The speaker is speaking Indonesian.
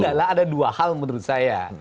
yang pertama adalah ada dua hal menurut saya